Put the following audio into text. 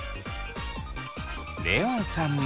レオンさんも。